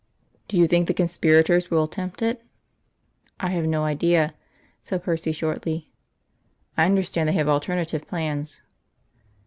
"Do you think the conspirators will attempt it?" "I have no idea," said Percy shortly. "I understand they have alternative plans."